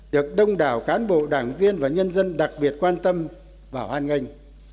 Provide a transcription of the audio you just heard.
được đông đảo cán bộ đảng viên và nhân dân đặc biệt quan tâm và hoan nghênh